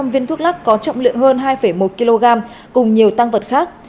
năm bốn trăm linh viên thuốc lắc có trọng lượng hơn hai một kg cùng nhiều tăng vật khác